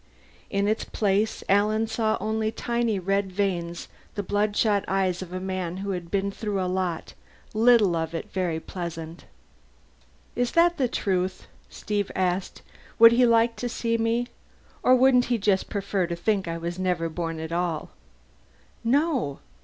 In its place Alan saw only tiny red veins the bloodshot eyes of a man who had been through a lot, little of it very pleasant. "Is that the truth?" Steve asked. "Would he like to see me? Or wouldn't he just prefer to think I never was born at all?" "No."